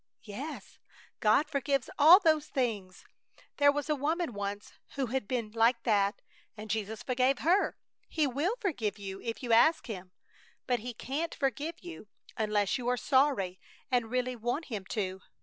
"Yes. God forgives all those things! There was a woman once who had been like that, and Jesus forgave her. He will forgive you if you ask Him. But He can't forgive you unless you are sorry and really want Him to.